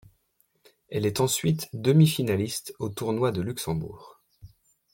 Elle est ensuite demi-finaliste au Tournoi de Luxembourg.